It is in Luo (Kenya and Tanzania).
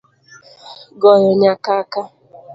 Goyo nyakaka